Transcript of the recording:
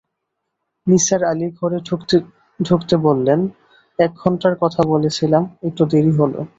নিসার আলি ঘরে ঢুকতে-চুকতে বললেন, এক ঘন্টার কথা বলেছিলাম, একটু দেরি হল।